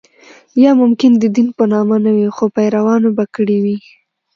یا ممکن د دین په نامه نه وي خو پیروانو به کړې وي.